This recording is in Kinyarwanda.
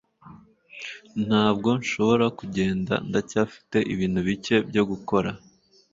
Ntabwo nshobora kugenda. Ndacyafite ibintu bike byo gukora.